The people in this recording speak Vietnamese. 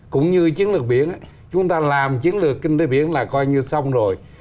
cũng như chiến lược biển chúng ta làm chiến lược kinh tế biển là coi như xong rồi